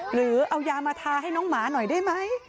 หรือเอายามาทาให้น้องหมาหน่อยได้ไหม